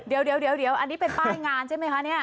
เดี๋ยวอันนี้เป็นป้ายงานใช่ไหมคะเนี่ย